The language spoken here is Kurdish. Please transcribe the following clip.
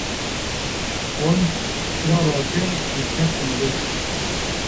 Holmes çira rakir û ket hundir.